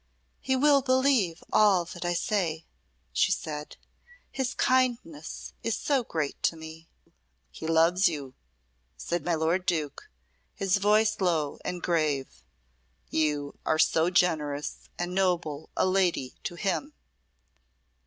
"He will believe all that I say," she said. "His kindness is so great to me." "He loves you," said my lord Duke, his voice low and grave. "You are so generous and noble a lady to him."